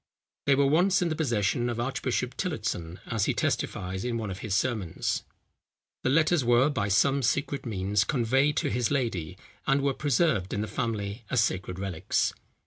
They were once in the possession of Archbishop Tillotson, as he testifies in one of his sermons. The letters were by some secret means conveyed to his lady, and were preserved in the family as sacred relics.